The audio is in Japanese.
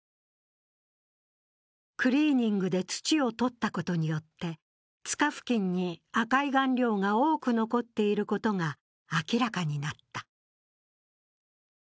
クリーニングで土を取ったことによってつか付近に赤い顔料が多く残っていることが明らかになった。